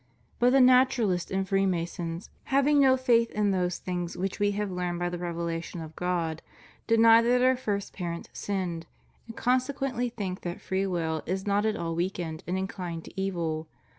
But the Naturalists and Freemasons, having no faith in those things which we have learned by the revelation of God, deny that our first parents sinned, and consequently think that free will is not at all weakened and inclined to evil.